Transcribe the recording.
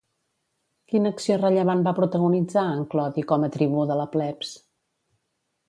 Quina acció rellevant va protagonitzar en Clodi com a tribú de la plebs?